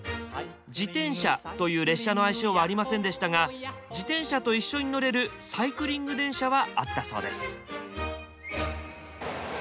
「自転車」という列車の愛称はありませんでしたが自転車と一緒に乗れるサイクリング電車はあったそうです。